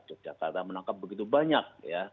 yogyakarta menangkap begitu banyak